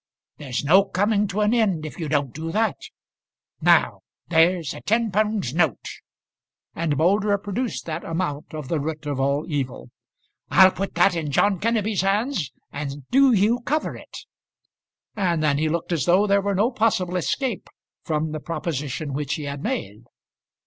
There's no coming to an end if you don't do that. Now there's a ten pound note," and Moulder produced that amount of the root of all evil; "I'll put that in John Kenneby's hands, and do you cover it." And then he looked as though there were no possible escape from the proposition which he had made.